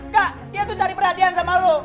kak dia tuh cari perhatian sama lo